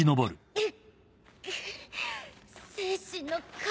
えっ！？